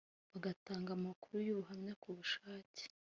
bagatanga amakuru n’ubuhamya ku bushake